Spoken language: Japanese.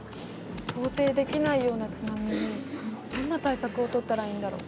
想定できないような津波にどんな対策を取ったらいいんだろう？